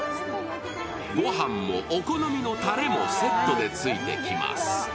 御飯もお好みのたれもセットでついてきます。